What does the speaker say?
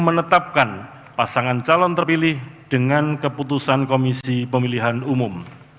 menetapkan pasangan calon terpilih dengan keputusan komisi pemilihan umum